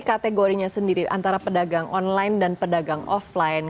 kategorinya sendiri antara pedagang online dan pedagang offline